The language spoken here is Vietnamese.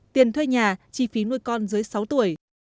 tiền thuê nhà chi phí nuôi con dưới sáu tuổi